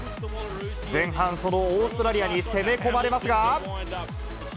前半、そのオーストラリアに攻め込まれますが。